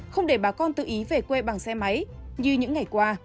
không để bà con tự ý về quê bằng xe máy như những ngày qua